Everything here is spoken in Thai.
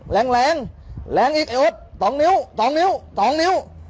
แรงแรงแรงอีกไอ้โอ๊ดสองนิ้วสองนิ้วสองนิ้ว